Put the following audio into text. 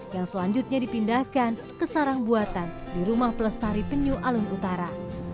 yang selanjutnya dipindahkan ke sarang buatan di rumah pelestari penyu alun utara